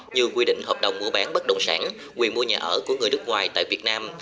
như quy định hợp đồng mua bán bất động sản quyền mua nhà ở của người nước ngoài tại việt nam